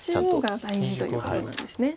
中央が大事ということなんですね。